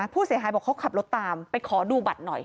ผู้เสียหายบอกเขาขับรถตามไปขอดูบัตรหน่อย